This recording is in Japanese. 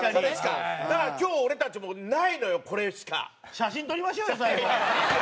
写真撮りましょうよ最後。